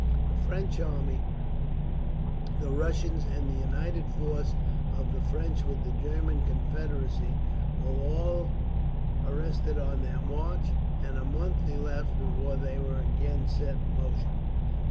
The French army, the Russians, and the united force of the French with the German Confederacy were all arrested on their march, and a month elapsed before they were again set in motion.